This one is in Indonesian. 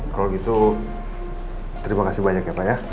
kalau gitu terimakasih banyak ya pak ya